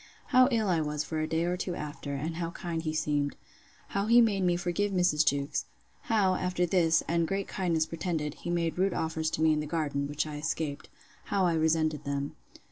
How ill I was for a day or two after; and how kind he seemed. How he made me forgive Mrs. Jewkes. How, after this, and great kindness pretended, he made rude offers to me in the garden, which I escaped. How I resented them.